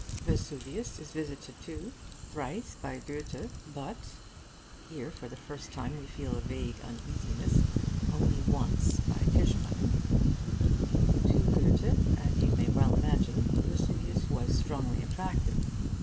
Vesuvius is visited too; thrice by Goethe, but (here, for the first time, we feel a vague uneasiness) only once by Tischbein. To Goethe, as you may well imagine, Vesuvius was strongly attractive.